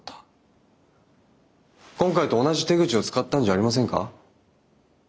今回と同じ手口を使ったんじゃありませんか？